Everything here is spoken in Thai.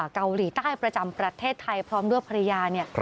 เกาหลีใต้ประจำประเทศไทยพร้อมด้วยภรรยาเนี่ย